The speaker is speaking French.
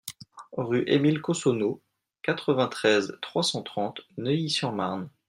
Rue Émile Cossonneau, quatre-vingt-treize, trois cent trente Neuilly-sur-Marne